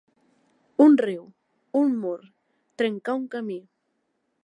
Un riu, un mur, trencar un camí.